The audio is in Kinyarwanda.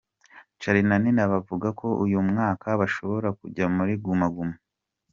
Charly na Nina bavuga ko uyu mwaka bashobora kujya muri Guma Guma.